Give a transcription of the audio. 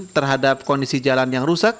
terhadap kondisi jalan yang rusak